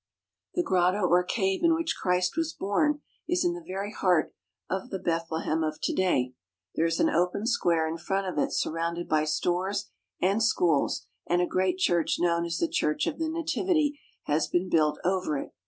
The grotto or cave in which Christ was born is in the very heart of the Bethlehem of to day. There is an open square in front of it surrounded by stores and schools, and a great church known as the Church of the Nativity has been built over it.